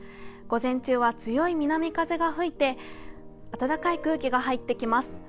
午前中は強い南風が吹いて、暖かい空気が入ってきます。